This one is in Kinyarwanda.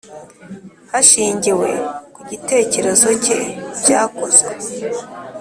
Hashingiwe ku gitekerezo cye byakozwe.